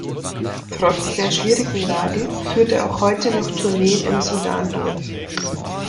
Trotz der schwierigen Lage führt er auch heute noch Tourneen im Sudan durch.